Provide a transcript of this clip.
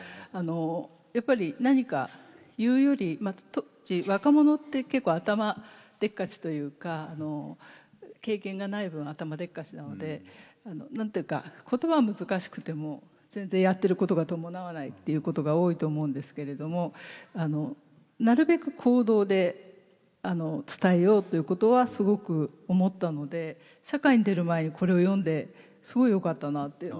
やっぱり何か言うよりまず当時若者って結構頭でっかちというか経験がない分頭でっかちなので何て言うか言葉難しくても全然やってることが伴わないっていうことが多いと思うんですけれどもなるべく行動で伝えようということはすごく思ったので社会に出る前にこれを読んですごいよかったなっていうのは思います。